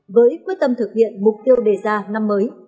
với quyết tâm thực hiện mục tiêu đề ra năm mới